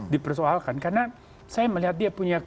dipersoalkan karena saya melihat dia punya